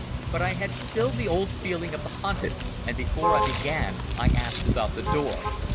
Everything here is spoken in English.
But I had still the old feeling of the hunted, and before I began I asked about the door.